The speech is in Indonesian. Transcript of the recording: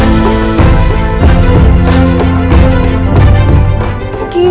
aku akan akhir dua